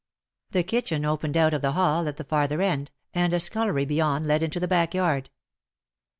The kitchen opened out of the hall at the farther end, and a scullery beyond led into the backyard.